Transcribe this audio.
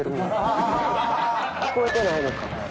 聞こえてないのか。